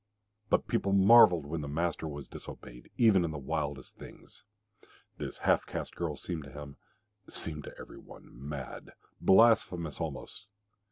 But people marvelled when the master was disobeyed even in the wildest things. This half caste girl seemed to him, seemed to every one, mad blasphemous almost.